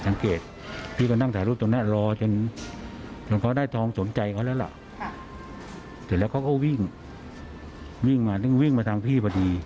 สังเกตพี่ก็นั่งถ่ายรูปตรงนี้ก็รอจนเขาได้ทองสงสัยเลยล่ะแล้วเขาก็วิ่งมาต้งกว่าวิ่งใส่ไว้ทางพี่ก็ดี